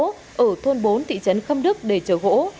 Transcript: của thị trấn khâm đức để chở gỗ